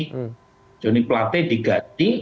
jadi joni pelate diganti